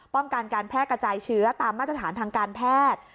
ป้องกันการแพร่กระจายเชื้อตามมาตรฐานทางการแพทย์